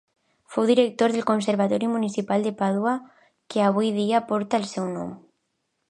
Fou director del Conservatori Municipal de Pàdua que avui dia porta el seu nom.